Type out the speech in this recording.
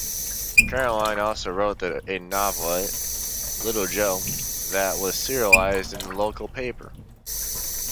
Caroline also wrote a novelette "Little Joe" that was serialised in the local paper.